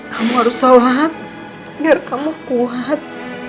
kamu harus salat biar kamu kuat